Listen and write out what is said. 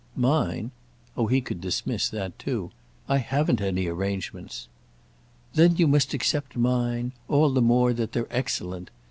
"Mine?" Oh he could dismiss that too! "I haven't any arrangements." "Then you must accept mine; all the more that they're excellent.